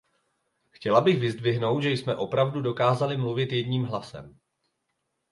Chtěla bych vyzdvihnout, že jsme opravdu dokázali mluvit jedním hlasem.